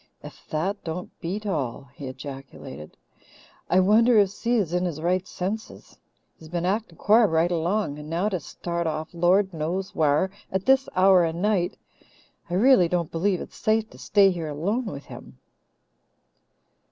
"Ef that don't beat all!" he ejaculated. "I wonder if Si is in his right senses? He's been actin' quar right along, and now to start off, Lord knows whar, at this hour o' night! I really don't believe it's safe to stay here alone with him."